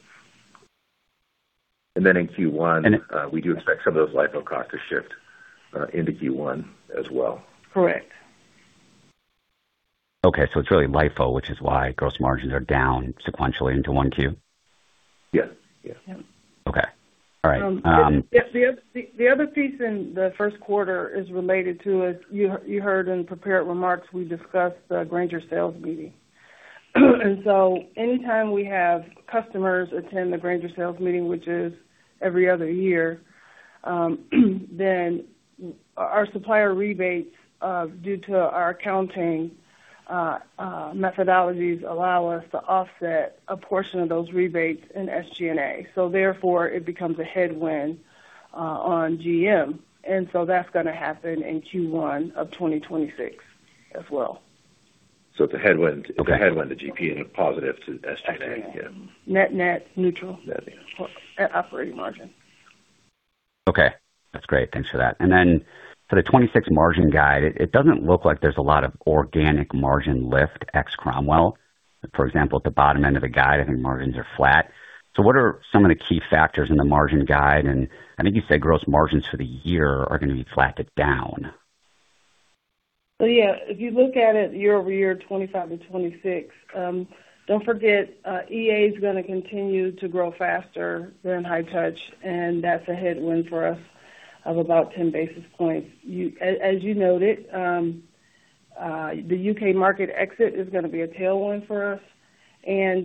C: And then in Q1, we do expect some of those LIFO costs to shift into Q1 as well.
D: Correct.
G: Okay, so it's really LIFO, which is why gross margins are down sequentially into 1Q?
C: Yes.
D: Yeah.
G: Okay. All right,
D: The other piece in the first quarter is related to, as you heard in prepared remarks, we discussed the Grainger sales meeting. And so anytime we have customers attend the Grainger sales meeting, which is every other year, then our supplier rebates, due to our accounting methodologies, allow us to offset a portion of those rebates in SG&A. So therefore, it becomes a headwind on GM. And so that's gonna happen in Q1 of 2026 as well.
C: It's a headwind.
G: Okay.
C: A headwind to GP and a positive to SG&A.
D: Net, net, neutral.
C: Yeah.
D: At operating margin.
G: Okay, that's great. Thanks for that. And then for the 26 margin guide, it doesn't look like there's a lot of organic margin lift ex Cromwell. For example, at the bottom end of the guide, I think margins are flat. So what are some of the key factors in the margin guide? And I think you said gross margins for the year are gonna be flat to down.
D: Yeah. If you look at it year over year, 27-26, don't forget, EA is gonna continue to grow faster than High-Touch, and that's a headwind for us of about 10 basis points. As you noted, the UK market exit is gonna be a tailwind for us. And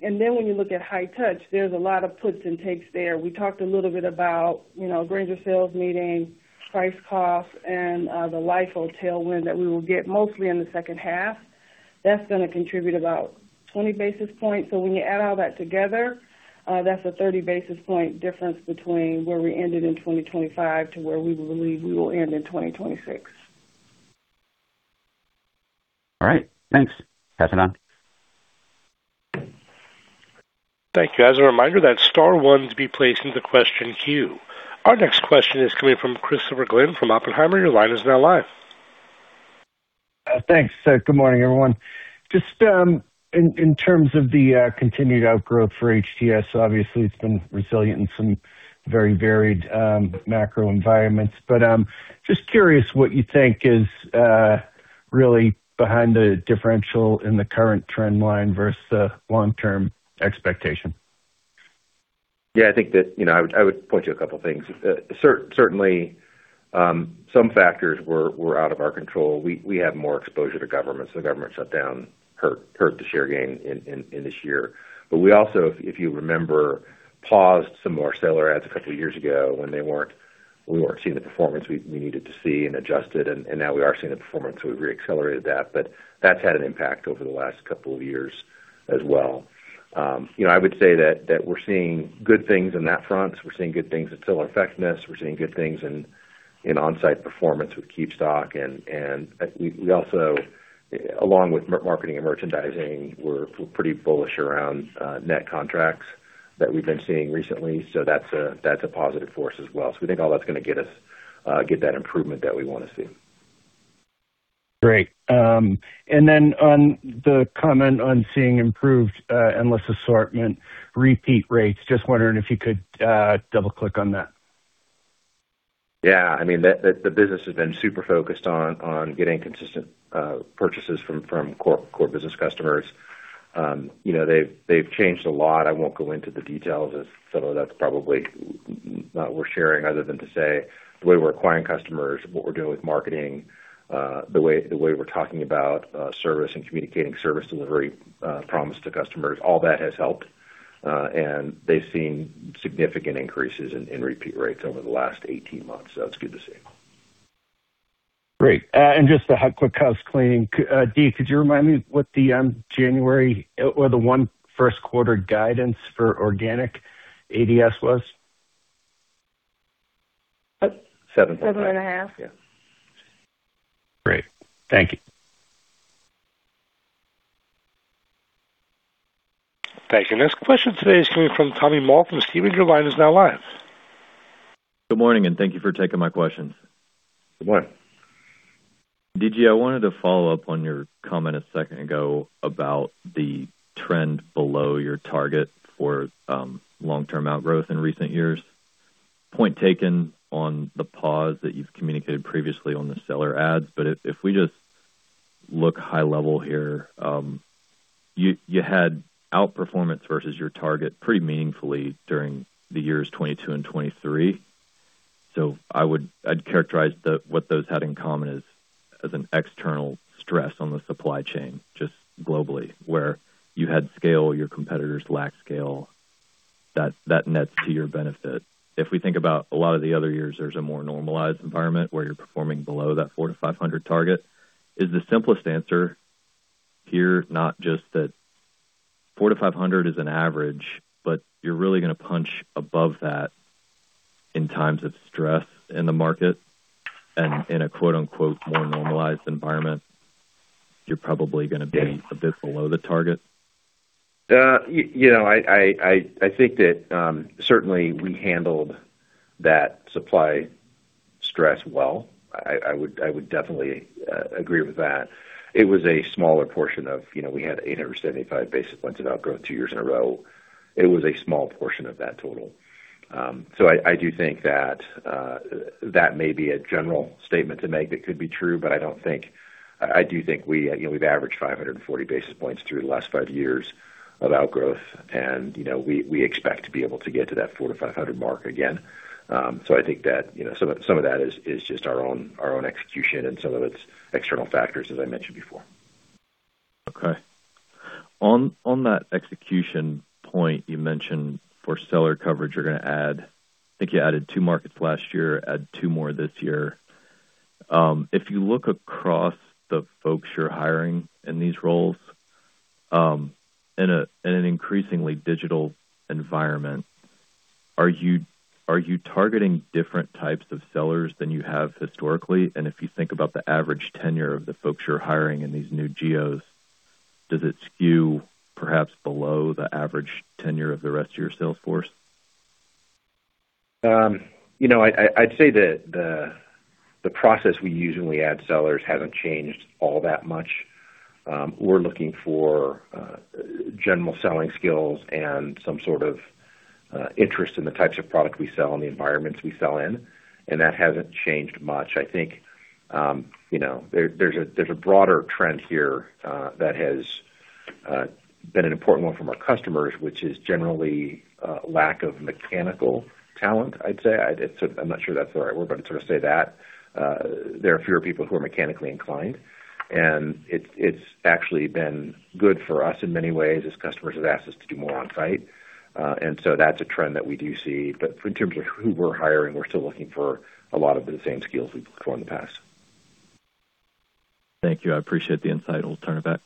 D: then when you look at High-Touch, there's a lot of puts and takes there. We talked a little bit about, you know, Grainger sales meeting, price cost, and the LIFO tailwind that we will get mostly in the second half. That's gonna contribute about 20 basis points. So when you add all that together, that's a 30 basis point difference between where we ended in 2025 to where we believe we will end in 2026.
G: All right. Thanks. Pass it on.
A: Thank you. As a reminder, that's star one to be placed into question queue. Our next question is coming from Christopher Glynn from Oppenheimer. Your line is now live.
H: Thanks. Good morning, everyone. Just in terms of the continued outgrowth for HTS, obviously it's been resilient in some very varied macro environments, but just curious what you think is really behind the differential in the current trend line versus the long-term expectation?
C: Yeah, I think that, you know, I would, I would point to a couple of things. Certainly, some factors were out of our control. We have more exposure to government, so the government shutdown hurt the share gain in this year. But we also, if you remember, paused some more seller adds a couple of years ago when we weren't seeing the performance we needed to see and adjusted, and now we are seeing the performance, so we've reaccelerated that. But that's had an impact over the last couple of years as well. You know, I would say that we're seeing good things on that front. We're seeing good things in seller effectiveness. We're seeing good things in on-site performance with KeepStock. We also, along with marketing and merchandising, we're pretty bullish around net contracts that we've been seeing recently, so that's a positive force as well. So we think all that's gonna get us that improvement that we wanna see.
H: Great. And then on the comment on seeing improved Endless Assortment repeat rates, just wondering if you could double-click on that.
C: Yeah. I mean, the business has been super focused on getting consistent purchases from core business customers. You know, they've changed a lot. I won't go into the details as some of that's probably not worth sharing, other than to say the way we're acquiring customers, what we're doing with marketing, the way we're talking about service and communicating service delivery promise to customers, all that has helped, and they've seen significant increases in repeat rates over the last 18 months, so it's good to see.
H: Great. Just a quick housecleaning. Dee, could you remind me what the January or the one first quarter guidance for organic ADS was?
C: Seven.
D: 7.5.
C: Yeah.
H: Great. Thank you.
A: Thank you. Next question today is coming from Tommy Moll. Your line is now live.
I: Good morning, and thank you for taking my questions.
C: Good morning.
I: D.G., I wanted to follow up on your comment a second ago about the trend below your target for long-term outgrowth in recent years. Point taken on the pause that you've communicated previously on the seller adds, but if we just look high level here, you had outperformance versus your target pretty meaningfully during the years 2022 and 2023. So I'd characterize what those had in common as an external stress on the supply chain, just globally, where you had scale, your competitors lacked scale, that nets to your benefit. If we think about a lot of the other years, there's a more normalized environment where you're performing below that 400-500 target. Is the simplest answer here, not just that 400-500 is an average, but you're really gonna punch above that in times of stress in the market and in a, quote-unquote, "more normalized environment," you're probably gonna be a bit below the target?
C: You know, I think that certainly we handled that supply stress well. I would definitely agree with that. It was a smaller portion of... You know, we had 875 basis points of outgrowth two years in a row. It was a small portion of that total. So I do think that that may be a general statement to make. It could be true, but I don't think - I do think we, you know, we've averaged 540 basis points through the last five years of outgrowth, and, you know, we expect to be able to get to that 400-500 mark again. I think that, you know, some of that is just our own execution, and some of it's external factors, as I mentioned before.
I: Okay. On, on that execution point, you mentioned for seller coverage, you're gonna add, I think you added 2 markets last year, add 2 more this year. If you look across the folks you're hiring in these roles, in a, in an increasingly digital environment, are you, are you targeting different types of sellers than you have historically? And if you think about the average tenure of the folks you're hiring in these new geos, does it skew perhaps below the average tenure of the rest of your sales force?
C: You know, I'd say that the process we use when we add sellers hasn't changed all that much. We're looking for general selling skills and some sort of interest in the types of product we sell and the environments we sell in, and that hasn't changed much. I think, you know, there's a broader trend here that has been an important one from our customers, which is generally lack of mechanical talent, I'd say. I'm not sure that's the right word, but sort of say that there are fewer people who are mechanically inclined, and it's actually been good for us in many ways as customers have asked us to do more on site. And so that's a trend that we do see. In terms of who we're hiring, we're still looking for a lot of the same skills we've looked for in the past.
I: Thank you. I appreciate the insight. We'll turn it back.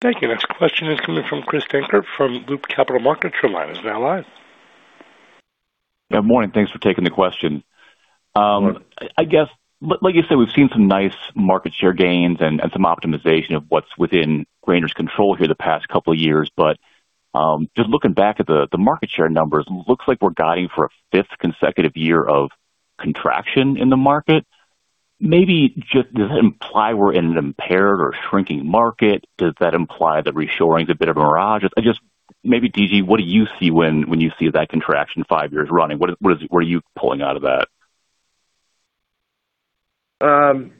A: Thank you. Next question is coming from Chris Dankert from Loop Capital Markets. Your line is now live.
J: Good morning, thanks for taking the question. I guess, like you said, we've seen some nice market share gains and some optimization of what's within Grainger's control here the past couple of years. But just looking back at the market share numbers, looks like we're guiding for a fifth consecutive year of contraction in the market. Maybe just, does it imply we're in an impaired or shrinking market? Does that imply that reshoring is a bit of a mirage? Maybe, D.G., what do you see when you see that contraction five years running? What is, what are you pulling out of that?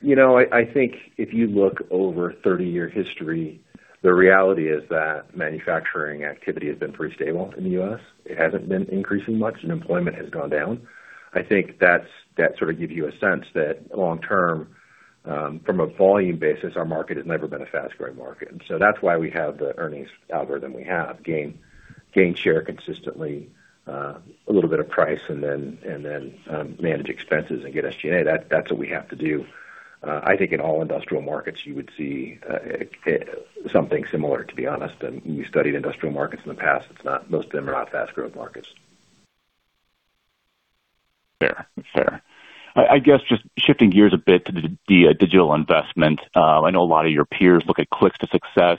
C: You know, I think if you look over 30-year history, the reality is that manufacturing activity has been pretty stable in the U.S. It hasn't been increasing much, and employment has gone down. I think that sort of gives you a sense that long-term, from a volume basis, our market has never been a fast-growing market. So that's why we have the earnings algorithm we have. Gain share consistently, a little bit of price, and then manage expenses and SG&A. That's what we have to do. I think in all industrial markets, you would see something similar, to be honest. And you studied industrial markets in the past. It's not. Most of them are not fast-growth markets.
J: Fair. Fair. I guess, just shifting gears a bit to the digital investment. I know a lot of your peers look at clicks to success.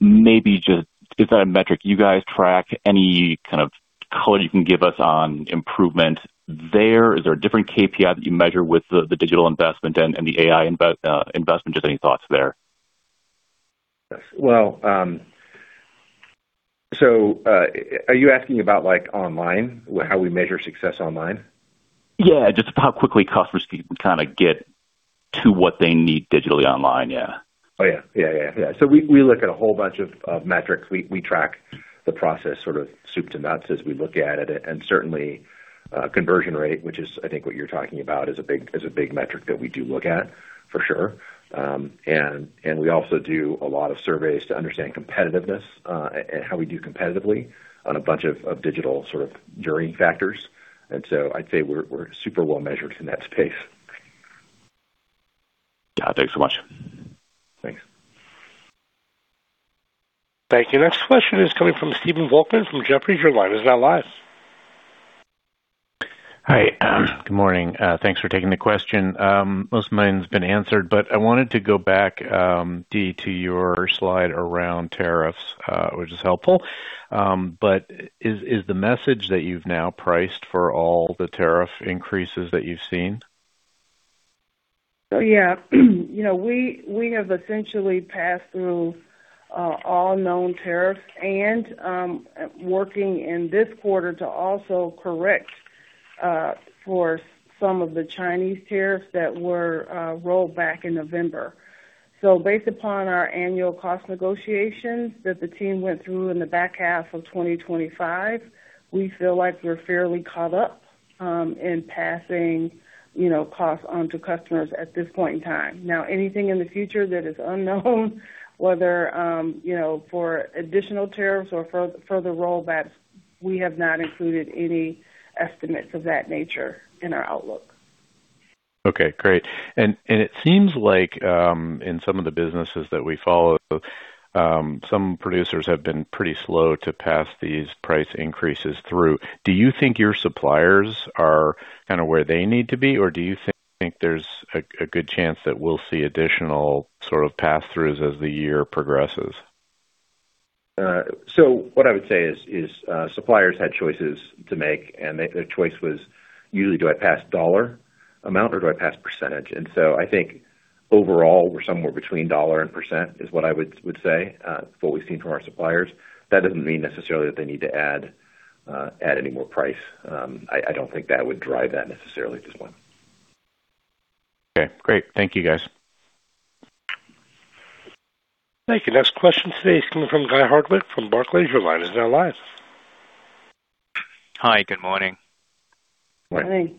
J: Maybe just, is that a metric you guys track? Any kind of color you can give us on improvement there? Is there a different KPI that you measure with the digital investment and the AI investment? Just any thoughts there?
C: Well, so, are you asking about, like, online, how we measure success online?
J: Yeah, just how quickly customers can kind of get to what they need digitally online, yeah.
C: Oh, yeah. Yeah, yeah, yeah. So we, we look at a whole bunch of, of metrics. We, we track the process, sort of soup to nuts as we look at it. And certainly, conversion rate, which is, I think, what you're talking about, is a big, is a big metric that we do look at, for sure. And, and we also do a lot of surveys to understand competitiveness, and how we do competitively on a bunch of, of digital sort of journey factors. And so I'd say we're, we're super well measured in that space.
J: Yeah. Thanks so much.
C: Thanks.
A: Thank you. Next question is coming from Stephen Volkmann from Jefferies. Your line is now live.
K: Hi. Good morning. Thanks for taking the question. Most of mine's been answered, but I wanted to go back, Dee, to your slide around tariffs, which is helpful. But is the message that you've now priced for all the tariff increases that you've seen?
D: So, yeah, you know, we, we have essentially passed through all known tariffs and working in this quarter to also correct for some of the Chinese tariffs that were rolled back in November. So based upon our annual cost negotiations that the team went through in the back half of 2025, we feel like we're fairly caught up in passing, you know, costs on to customers at this point in time. Now, anything in the future that is unknown, whether you know, for additional tariffs or further rollbacks, we have not included any estimates of that nature in our outlook.
K: Okay, great. And it seems like, in some of the businesses that we follow, some producers have been pretty slow to pass these price increases through. Do you think your suppliers are kind of where they need to be, or do you think there's a good chance that we'll see additional sort of pass-throughs as the year progresses?
C: So what I would say is, suppliers had choices to make, and their choice was usually, do I pass dollar amount or do I pass percentage? And so I think overall, we're somewhere between dollar and percent, is what I would say, what we've seen from our suppliers. That doesn't mean necessarily that they need to add any more price. I don't think that would drive that necessarily at this point.
K: Okay, great. Thank you, guys.
A: Thank you. Next question today is coming from Guy Hardwick from Barclays. Your line is now live.
L: Hi, good morning.
C: Morning.
D: Good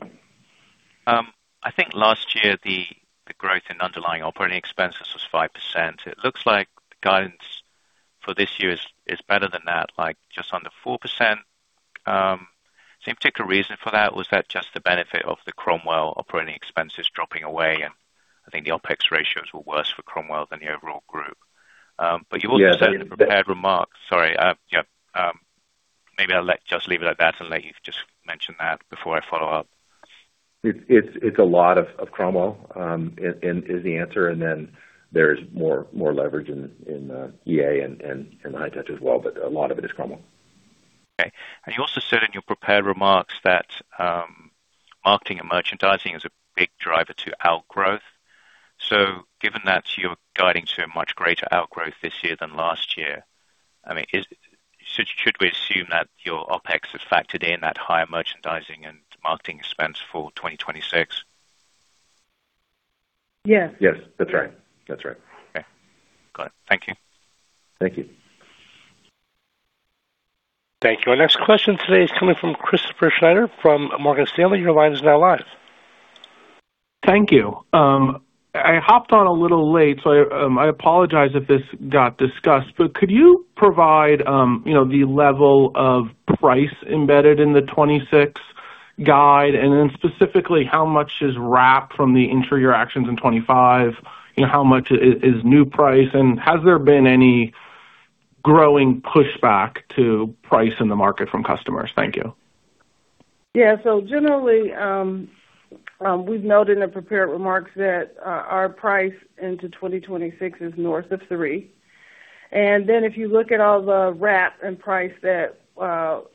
D: morning.
L: I think last year, the growth in underlying operating expenses was 5%. It looks like the guidance for this year is better than that, like just under 4%. Any particular reason for that? Was that just the benefit of the Cromwell operating expenses dropping away? And I think the OpEx ratios were worse for Cromwell than the overall group. But you also said-
C: Yeah
L: -in the prepared remarks... Sorry, yeah. Maybe I'll let- just leave it at that and let you just mention that before I follow up.
C: It's a lot of Cromwell, and is the answer, and then there's more leverage in EA and in the High-Touch as well, but a lot of it is Cromwell.
L: Okay. And you also said in your prepared remarks that, marketing and merchandising is a big driver to outgrowth. So given that you're guiding to a much greater outgrowth this year than last year, I mean, should, should we assume that your OpEx is factored in that higher merchandising and marketing expense for 2026?
D: Yes.
C: Yes, that's right. That's right.
L: Okay, got it. Thank you.
C: Thank you.
A: Thank you. Our next question today is coming from Christopher Snyder from Morgan Stanley. Your line is now live.
M: Thank you. I hopped on a little late, so, I apologize if this got discussed, but could you provide, you know, the level of price embedded in the 2026 guide, and then specifically, how much is wrapped from the prior actions in 2025? You know, how much is, is new price, and has there been any growing pushback to price in the market from customers? Thank you.
D: Yeah. So generally, we've noted in the prepared remarks that our pricing into 2026 is north of 3%, and then if you look at all the EPS and pricing that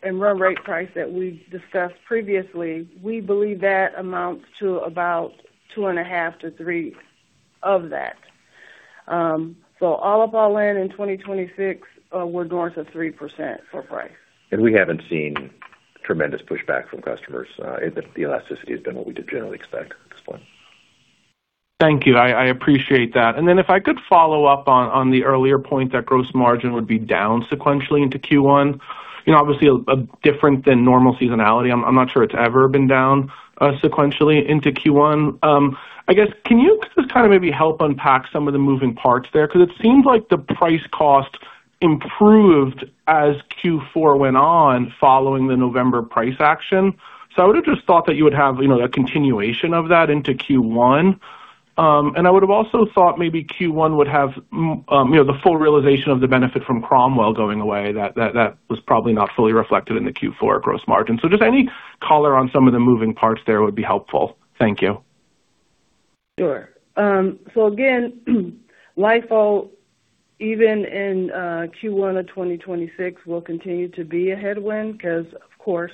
D: and run-rate pricing that we've discussed previously, we believe that amounts to about 2.5%-3% of that. So all of our plan in 2026, we're going to 3% for pricing.
C: We haven't seen tremendous pushback from customers. The elasticity has been what we did generally expect at this point.
M: Thank you. I appreciate that. Then if I could follow up on the earlier point, that gross margin would be down sequentially into Q1. You know, obviously, different than normal seasonality. I'm not sure it's ever been down sequentially into Q1. I guess, can you just maybe help unpack some of the moving parts there? Because it seems like the price cost improved as Q4 went on, following the November price action. So I would have just thought that you would have, you know, a continuation of that into Q1. And I would have also thought maybe Q1 would have, you know, the full realization of the benefit from Cromwell going away, that was probably not fully reflected in the Q4 gross margin. So just any color on some of the moving parts there would be helpful. Thank you.
D: Sure. So again, LIFO, even in Q1 of 2026, will continue to be a headwind because, of course,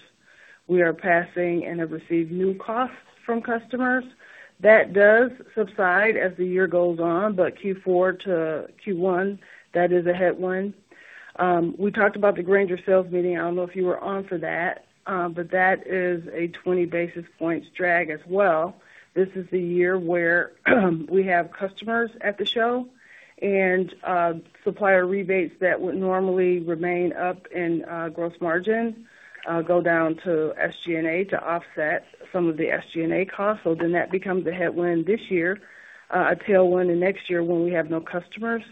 D: we are passing and have received new costs from customers. That does subside as the year goes on, but Q4-Q1, that is a headwind. We talked about the Grainger sales meeting. I don't know if you were on for that, but that is a 20 basis points drag as well. This is the year where we have customers at the show and supplier rebates that would normally remain up in gross margin go down to SG&A to offset some of the SG&A costs. So then that becomes a headwind this year, a tailwind in next year when we have no customers.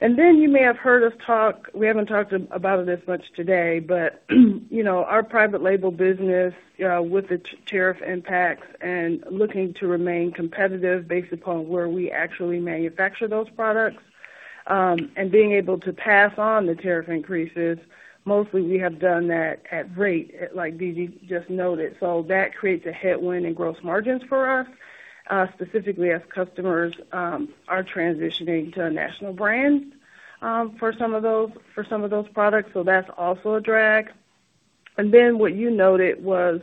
D: And then you may have heard us talk... We haven't talked about it as much today, but, you know, our private label business, with the tariff impacts and looking to remain competitive based upon where we actually manufacture those products, and being able to pass on the tariff increases, mostly we have done that at rate, like D.G. just noted. So that creates a headwind in gross margins for us, specifically as customers are transitioning to national brands for some of those products. So that's also a drag. And then what you noted was,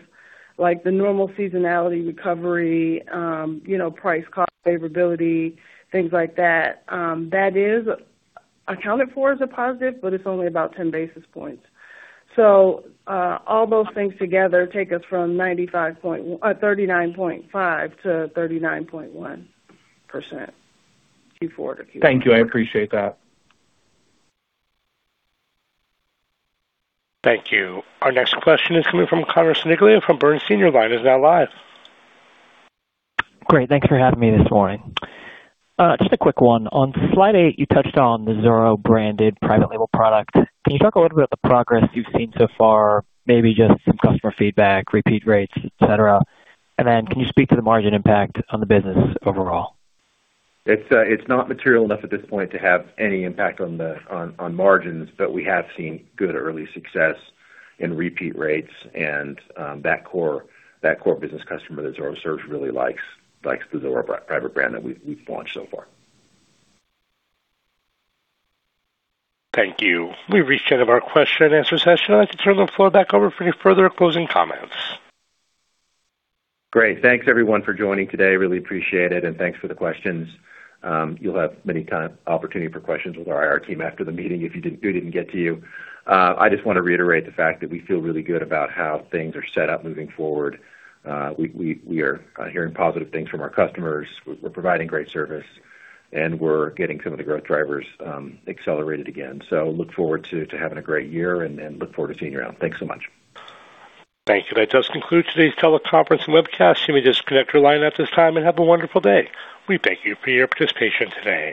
D: like, the normal seasonality recovery, you know, price, cost, favorability, things like that, that is accounted for as a positive, but it's only about 10 basis points. So, all those things together take us from 39.5%-39.1% Q4-Q1.
M: Thank you. I appreciate that.
A: Thank you. Our next question is coming from Connor Lynagh from Bernstein. Your line is now live.
N: Great, thanks for having me this morning. Just a quick one. On slide 8, you touched on the Zoro-branded private label product. Can you talk a little bit about the progress you've seen so far? Maybe just some customer feedback, repeat rates, et cetera. And then can you speak to the margin impact on the business overall?
C: It's not material enough at this point to have any impact on the margins, but we have seen good early success in repeat rates and that core business customer that Zoro serves really likes the Zoro private brand that we've launched so far.
A: Thank you. We've reached the end of our question and answer session. I'd like to turn the floor back over for any further closing comments.
C: Great. Thanks, everyone, for joining today. Really appreciate it, and thanks for the questions. You'll have many opportunities for questions with our IR team after the meeting if we didn't get to you. I just want to reiterate the fact that we feel really good about how things are set up moving forward. We are hearing positive things from our customers. We're providing great service, and we're getting some of the growth drivers accelerated again. So look forward to having a great year and look forward to seeing you out. Thanks so much.
A: Thank you. That does conclude today's teleconference and webcast. You may disconnect your line at this time and have a wonderful day. We thank you for your participation today.